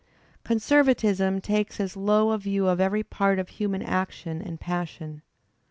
Con servatism takes as low a view of every part of human action and passion.